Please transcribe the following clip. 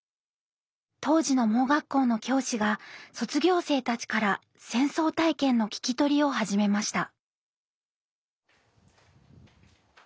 当時の盲学校の教師が卒業生たちから戦争体験の聞き取りを始めました。